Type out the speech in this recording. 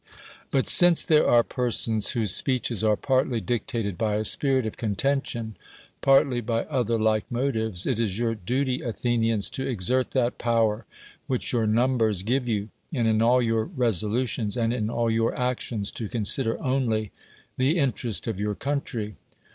But since there are persons whose speeches are partlj' dictated by a spirit of con tention, partly by other like motives, it is your dut}', Athenians, to exert that power which your numbers give you, and in all your resolutions and in all your actions to consider only the in terest of your country.